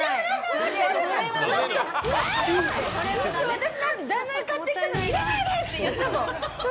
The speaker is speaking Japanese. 私なんて旦那が買ってきたのに入れないでって言ったもん！